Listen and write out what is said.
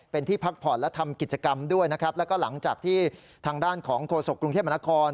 เป็นที่พักผ่อนและทำกิจกรรมด้วยนะครับแล้วก็หลังจากที่ทางด้านของโฆษกกรุงเทพมนาคม